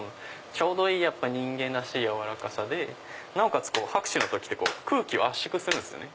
ちょうどいい人間らしい軟らかさでなおかつ拍手の時って空気を圧縮するんですよね